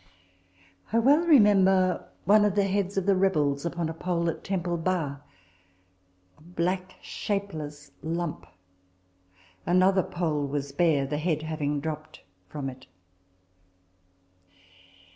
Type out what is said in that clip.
I well remember one of the heads of the rebels upon a pole at Temple Bar a black shapeless lump. Another pole was bare, the head having dropt from it.